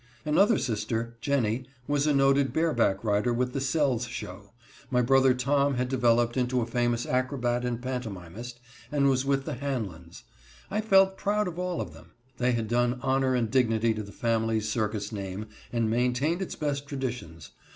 Another sister, Jennie, was a noted bareback rider with the Sells show; my brother Tom had developed into a famous acrobat and pantomimist, and was with the Hanlons. I felt proud of all of them. They had done honor and dignity to the family's circus name, and maintained its best traditions.